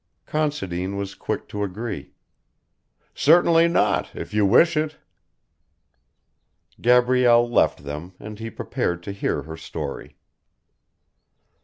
Considine was quick to agree: "Certainly not, if you wish it." Gabrielle left them and he prepared to hear her story.